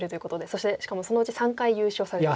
そしてしかもそのうち３回優勝されてると。